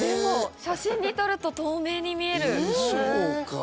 写真で撮ると透明に見える！